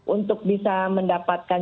untuk bisa mendapatkan